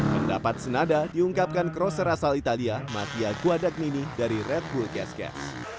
pendapat senada diungkapkan crosser asal italia mattia guadagnini dari red bull cascais